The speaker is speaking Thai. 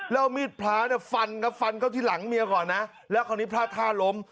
แล้วมีดพระเนี่ยฟันครับฟันเข้าที่หลังเมียก่อนนะแล้วคราวนี้พลาดท่าล้ม